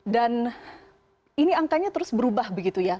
dan ini angkanya terus berubah begitu ya